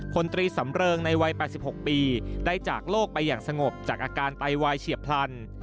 คนตรีสำเริงในวัย๘๖ปีได้จากโลกไปอย่างสงบจากอาการไตวายเฉียบพลัน